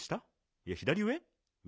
いや左上？